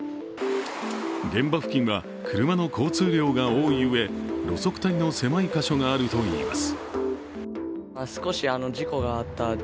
現場付近は車の交通量が多いうえ、路側帯の狭い箇所があるといいます。